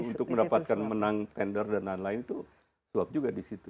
untuk mendapatkan menang tender dan lain lain itu suap juga di situ